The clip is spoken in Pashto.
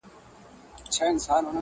ورسره به وي ټولۍ د شیطانانو!!